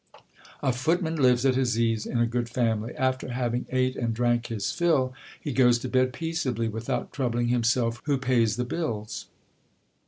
A footman lives at his ease in a good family. After having ate and drank his fill, he goes to bed peaceably, without troubling himself who pays the bills.